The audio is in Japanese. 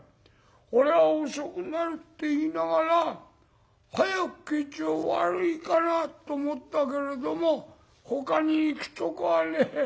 俺は遅くなるって言いながら早く帰っちゃ悪いかなと思ったけれどもほかに行くとこはねえ。